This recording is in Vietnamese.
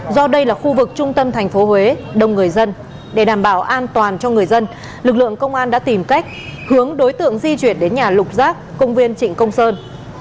do đây là khu vực trung tâm thành phố huế đông người dân để đảm bảo an toàn cho người dân lực lượng công an đã tìm cách hướng đối tượng di chuyển đến nhà lục giác công viên trịnh công sơn